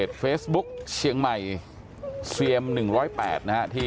เขาจีกันน่ะ